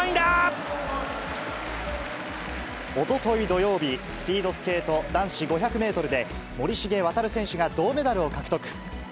森重航、おととい土曜日、スピードスケート男子５００メートルで、森重航選手が銅メダルを獲得。